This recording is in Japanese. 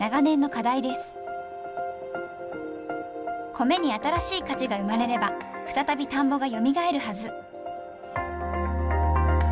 米に新しい価値が生まれれば再び田んぼがよみがえるはず。